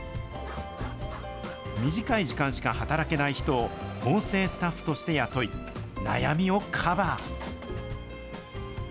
短い時間しか働けない人を縫製スタッフとして雇い、悩みをカバー。